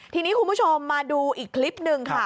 ทีนี้คุณผู้ชมมาดูอีกคลิปหนึ่งค่ะ